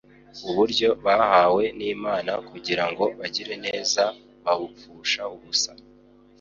uburyo bahawe n'Imana kugira ngo bagire neza babupfusha ubusa